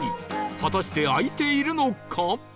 果たして開いているのか？